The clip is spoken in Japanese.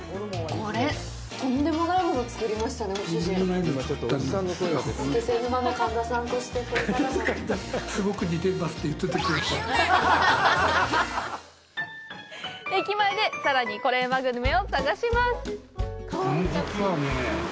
これ駅前で、さらにこれうまグルメを探します！